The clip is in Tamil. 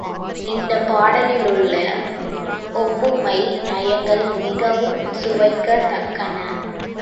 இந்தப் பாடலிலுள்ள ஒப்புமை நயங்கள் மிகவும் சுவைக்கத் தக்கன.